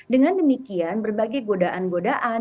dengan demikian berbagai godaan godaan